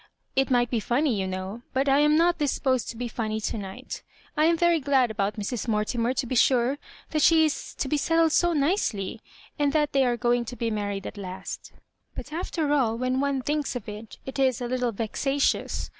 It might be funny, you know ; but I am not disposed to be funny to night. I am very glad about Mrs. Mortimer, to be sure, that she is to be settled so nicely, and that they are going lo be married at last But, after all, when ohe thinks of it, it is a little vexatious.